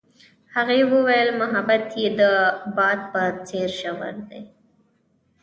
هغې وویل محبت یې د باد په څېر ژور دی.